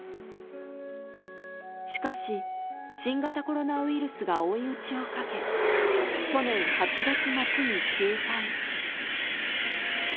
しかし新型コロナウイルスが追い打ちをかけ去年８月末に休館。